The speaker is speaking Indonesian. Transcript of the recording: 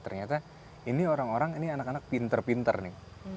ternyata ini orang orang ini anak anak pinter pinter nih